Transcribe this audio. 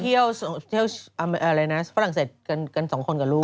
เขาไปเที่ยวฝรั่งเศส๒คนกับลูก